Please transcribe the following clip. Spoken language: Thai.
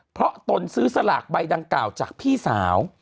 เพราะตนซื้อสลากใบดังกล่าวจากพี่สาว